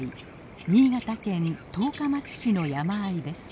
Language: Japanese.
新潟県十日町市の山あいです。